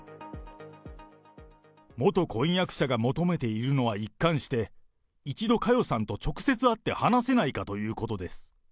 元婚約者が求めているのは一貫して、一度、佳代さんと直接会って話せないかということです。